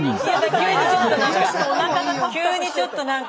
急にちょっとなんか。